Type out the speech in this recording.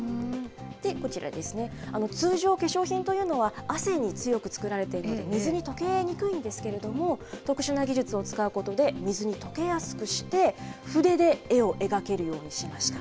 こちらですね、通常、化粧品というのは汗に強く作られているので、水に溶けにくいんですけれども、特殊な技術を使うことで、水に溶けやすくして、筆で絵を描けるようにしました。